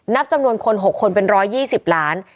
นับจำนวนคน๖คนเป็น๑๒๐ล้าน